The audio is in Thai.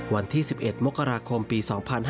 วันที่๑๑มกราคมปี๒๕๕๙